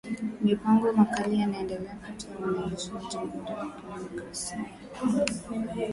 Mapigano makali yanaendelea kati ya wanajeshi wa Jamuhuri ya kidemokrasia ya Kongo na waasi wa Machi ishirini na tatu licha ya makubaliano ya Angola